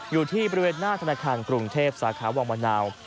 อยู่ที่บริเวณหน้าธนาคารกรุงเทพสาขาวังมะนาว